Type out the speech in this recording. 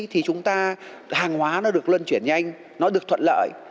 thì chúng ta hàng hóa nó được luân chuyển nhanh nó được thuận lợi